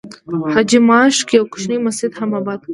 حاجي ماشک یو کوچنی مسجد هم آباد کړی.